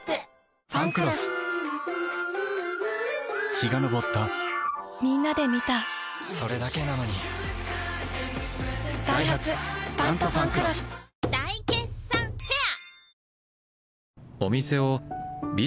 陽が昇ったみんなで観たそれだけなのにダイハツ「タントファンクロス」大決算フェア